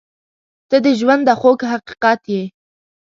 • ته د ژونده خوږ حقیقت یې.